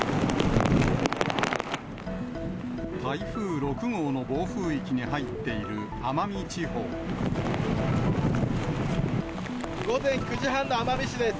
台風６号の暴風域に入ってい午前９時半の奄美市です。